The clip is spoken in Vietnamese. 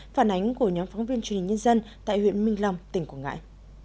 phản ánh của nhóm phóng viên truyền hình nhân dân tại huyện minh long tỉnh quảng ngãi